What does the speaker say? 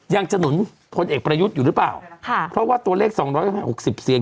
จะหนุนพลเอกประยุทธ์อยู่หรือเปล่าค่ะเพราะว่าตัวเลขสองร้อยห้าหกสิบเสียง